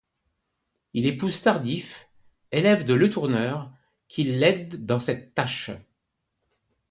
Il épouse Tardif, élève de Le Tourneur, qui l'aide dans cette tâche.